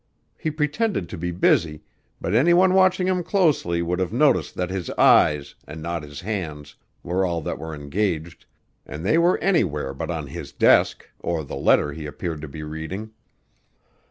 He pretended to be busy, but any one watching him closely would have noticed that his eyes, and not his hands, were all that were engaged, and they were anywhere but on his desk or the letter he appeared to be reading.